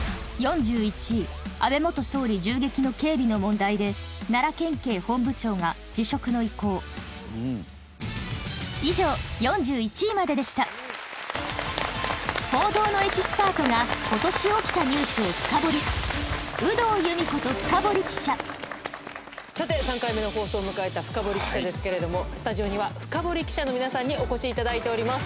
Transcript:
安倍総理銃撃の警備の問題で以上４１位まででした報道のエキスパートが今年起きたニュースをフカボリさて３回目の放送を迎えた『フカボリ記者』ですけれどもスタジオにはフカボリ記者の皆さんにお越しいただいております。